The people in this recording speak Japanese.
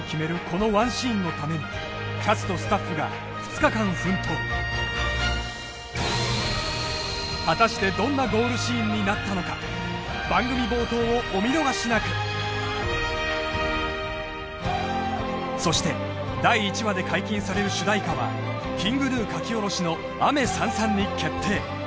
このワンシーンのためにキャストスタッフが２日間奮闘果たしてどんなゴールシーンになったのか番組冒頭をお見逃しなくそして第１話で解禁される主題歌はＫｉｎｇＧｎｕ書き下ろしの「雨燦々」に決定